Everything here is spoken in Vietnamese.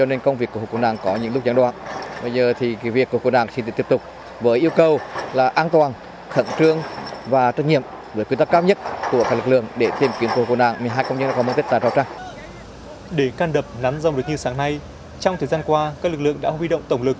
từ phương tiện đến phương tiện các lực lượng đã ngăn đập nắn dòng được như sáng nay trong thời gian qua các lực lượng đã huy động tổng lực